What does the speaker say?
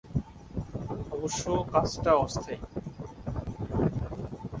অবশ্য, কাজটা অস্থায়ী।